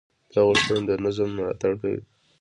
دا غوښتنې د نظم ملاتړ کوي.